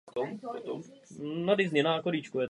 Před dlouhou dobou to bylo dovoleno.